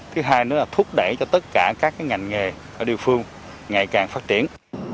thứ hai nữa là thúc đẩy cho tất cả các ngành nghề ở địa phương ngày càng phát triển